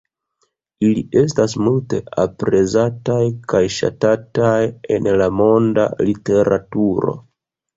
Ili estas multe aprezataj kaj ŝatataj en la monda literaturo.